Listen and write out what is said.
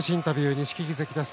錦木関です。